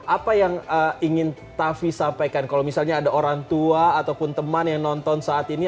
apa yang ingin tavi sampaikan kalau misalnya ada orang tua ataupun teman yang nonton saat ini